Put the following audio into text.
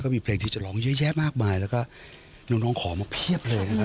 ก็มีเพลงที่จะร้องเยอะแยะมากมาย